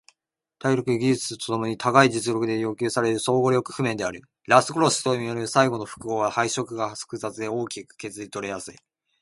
体力と技術共に高い実力で要求される総合力譜面である。ラス殺しともいえる最後の複合は配色が複雑で大きく削られやすい。